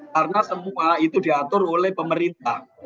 karena semua itu diatur oleh pemerintah